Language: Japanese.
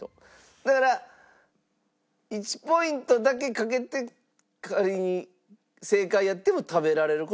だから１ポイントだけかけて仮に正解やっても食べられる事は食べられますし。